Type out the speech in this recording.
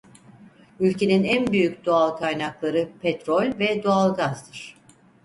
Ülkenin en büyük doğal kaynakları petrol ve doğal gazdır.